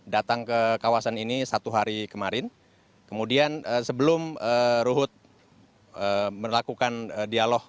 datang ke kawasan ini satu hari kemarin kemudian sebelum ruhut melakukan dialog